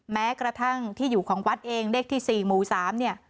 แม้กระทั่งที่อยู่ของวัดเองเลขที่๔หมู่๓เนี่ย